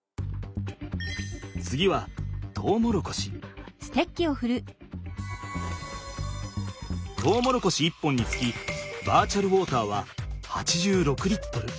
次はトウモロコシ１本につきバーチャルウォーターは８６Ｌ。